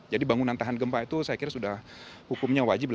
jadi bangunan tahan gempa itu saya kira sudah hukumnya wajib